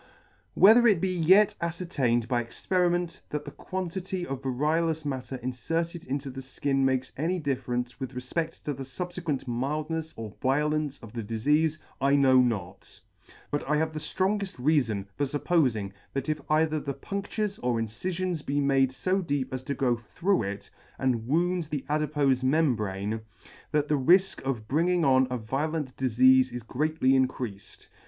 Whether it be yet afcertained by experiment, that the quantity of variolous matter infer ted into the Ikin makes any difference with refpeCt to the fubfequent mildnefs or violence of the difeafe, I know not; but I have the ftrongeft reafon for fup pofing that if either the punCtures or incifions be made fo deep as to go through it, and wound the adipofe membrane, that the rifk of bringing on a violent difeafe is greatly increafed.